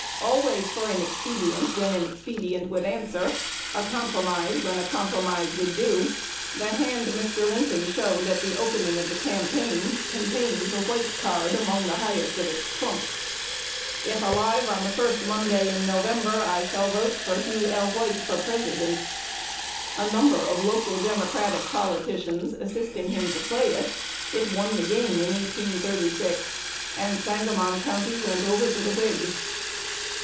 Always for an expedient when an expedient would answer, a compromise when a compromise would do, the "hand" Mr. Lincoln "showed" at the opening of the campaign contained the "White" card among the highest of its trumps. "If alive on the first Monday in November, I shall vote for Hugh L. White for President." A number of local Democratic politicians assisting him to play it, it won the game in 1836, and Sangamon County went over to the Whigs.